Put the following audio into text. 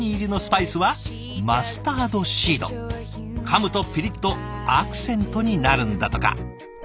かむとピリッとアクセントになるんだとか。